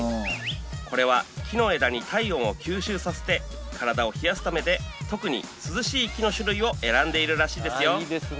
これは木の枝に体温を吸収させて体を冷やすためで特に涼しい木の種類を選んでいるらしいですよ